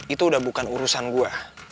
itu udah bukan urusan gue